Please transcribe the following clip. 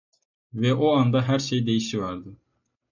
Ve o anda her şey değişiverdi.